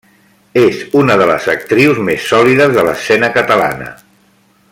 És una de les actrius més sòlides de l'escena catalana.